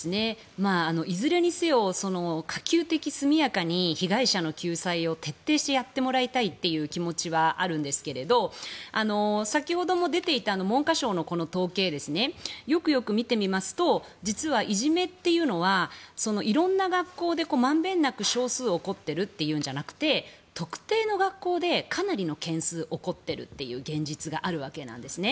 いずれにせよ可及的速やかに被害者の救済を徹底してやってもらいたいという気持ちはあるんですけれど先ほども出ていた文科省の統計ですねよくよく見てみますと実はいじめというのは色んな学校で満遍なく少数起こっているというんじゃなくて特定の学校でかなりの件数起こってるという現実があるわけなんですね。